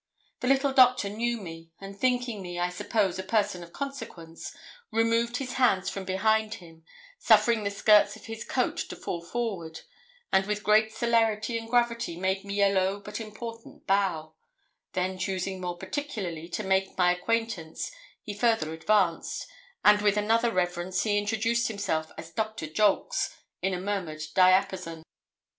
The little doctor knew me, and thinking me, I suppose, a person of consequence, removed his hands from behind him, suffering the skirts of his coat to fall forward, and with great celerity and gravity made me a low but important bow; then choosing more particularly to make my acquaintance he further advanced, and with another reverence he introduced himself as Doctor Jolks, in a murmured diapason.